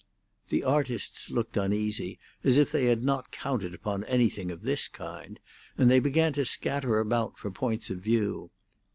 The artists looked uneasy, as if they had not counted upon anything of this kind, and they began to scatter about for points of view.